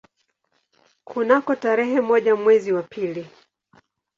Kunako tarehe moja mwezi wa pili